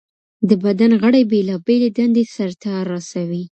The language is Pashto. د بدن غړي بېلابېلې دندې سرته رسوي.